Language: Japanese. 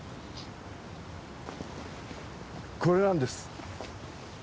これなんです。